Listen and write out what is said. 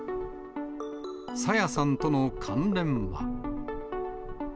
朝芽さんとの関連は。